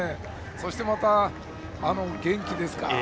そして、あの元気ですか。